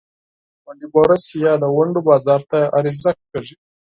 ونډې بورس یا د ونډو بازار ته عرضه کیږي.